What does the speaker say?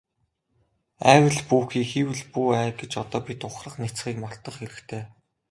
АЙвал бүү хий, хийвэл бүү ай гэж одоо бид ухрах няцахыг мартах хэрэгтэй.